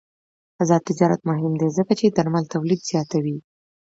آزاد تجارت مهم دی ځکه چې درمل تولید زیاتوي.